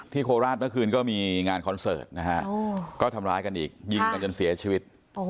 โคราชเมื่อคืนก็มีงานคอนเสิร์ตนะฮะก็ทำร้ายกันอีกยิงไปจนเสียชีวิต